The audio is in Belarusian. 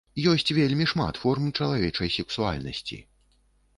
Ёсць вельмі шмат форм чалавечай сексуальнасці.